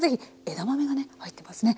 枝豆がね入ってますね。